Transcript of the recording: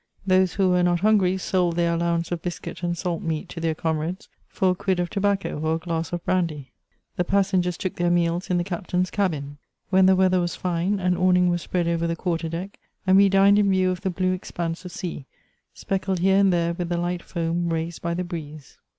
Those who were not hungry sold their allowance of biscuit and salt meat to their comrades for a quid of tobacco or a glass of brandy. The passengers tc3ok tjieir meals in the captain's cabin. When the weather was fine, an awning was spread over the quarter deck, and we dined in view of the blue expanse of sea, speckled here and there with the light foam raised by the breeze.